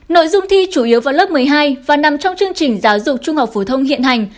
nội dung thi chủ yếu vào lớp một mươi hai và nằm trong chương trình giáo dục trung học phổ thông hiện hành